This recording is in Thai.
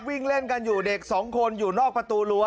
วิ่งเล่นกันอยู่เด็กสองคนอยู่นอกประตูรั้ว